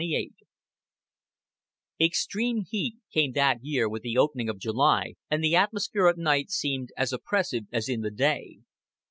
XXVIII Extreme heat came that year with the opening of July, and the atmosphere at night seemed as oppressive as in the day.